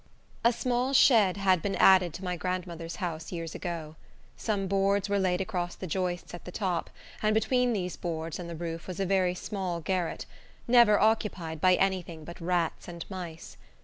A small shed had been added to my grandmother's house years ago. Some boards were laid across the joists at the top, and between these boards and the roof was a very small garret, never occupied by any thing but rats and mice.